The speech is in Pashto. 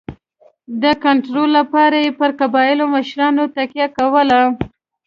د کنټرول لپاره یې پر قبایلي مشرانو تکیه کوله.